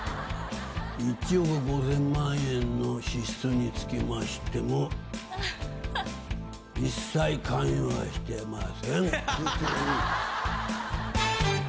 １億５，０００万円の支出につきましても一切関与はしてません。